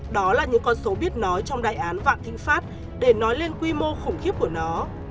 đó là những con số biết nói trong đại án vạn thịnh pháp để nói lên quy mô khủng khiếp của nó